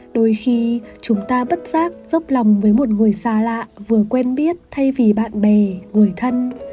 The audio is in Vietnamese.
đôi khi chúng ta bất giác dốc lòng với một người xa lạ vừa quen biết thay vì bạn bè người thân